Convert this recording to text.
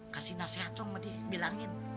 kasih nasihat dong sama dia bilangin